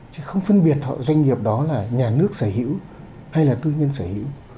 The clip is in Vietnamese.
chứ không phân biệt doanh nghiệp đó là nhà nước sở hữu hay là tư nhân sở hữu